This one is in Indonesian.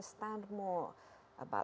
memahami lebih banyak